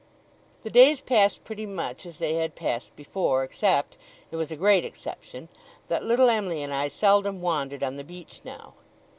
The days passed pretty much as they had passed before, except it was a great exception that little Em'ly and I seldom wandered on the beach now.